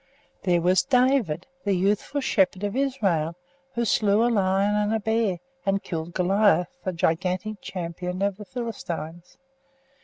There was David, the youthful shepherd of Israel, who slew a lion and a bear, and killed Goliath, the gigantic champion of the Philistines.